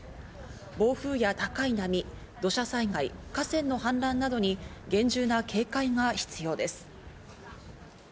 暴風や高い波、土砂災害、河川の氾濫などに厳重な警戒が必要です。